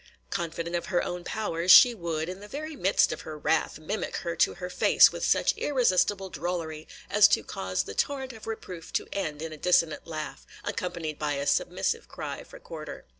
Confident of her own powers, she would, in the very midst of her wrath, mimic her to her face with such irresistible drollery as to cause the torrent of reproof to end in a dissonant laugh, accompanied by a submissive cry for quarter.